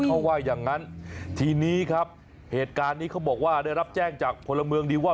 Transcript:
เขาไหว่อย่างงั้นทีนี้ครับเขาบอกว่าได้รับแจ้งจากพลเมืองดีว่า